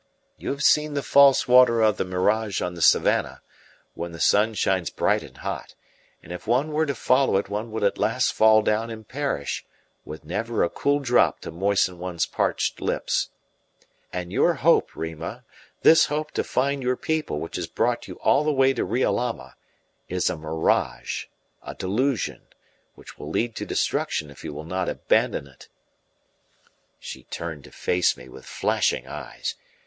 You have seen the false water of the mirage on the savannah, when the sun shines bright and hot; and if one were to follow it one would at last fall down and perish, with never a cool drop to moisten one's parched lips. And your hope, Rima this hope to find your people which has brought you all the way to Riolama is a mirage, a delusion, which will lead to destruction if you will not abandon it." She turned to face me with flashing eyes.